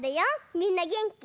みんなげんき？